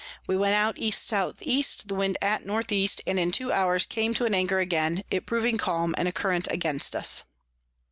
We went out E S E. the Wind at N E. and in two hours came to an Anchor again, it proving calm, and a Current against us.